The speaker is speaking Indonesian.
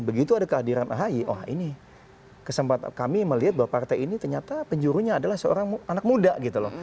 begitu ada kehadiran ahy wah ini kesempatan kami melihat bahwa partai ini ternyata penjurunya adalah seorang anak muda gitu loh